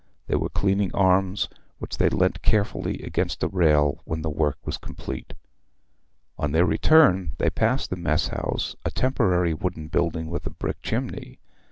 They were cleaning arms, which they leant carefully against a rail when the work was complete. On their return they passed the mess house, a temporary wooden building with a brick chimney.